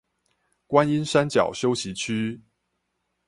觀音山腳休息區